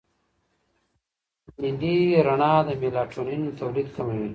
نیلي رڼا د میلاټونین تولید کموي.